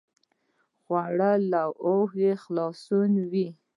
خوړل له لوږې خلاصون وي